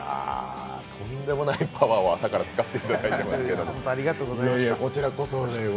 とんでもないパワーを朝から使っていただきました。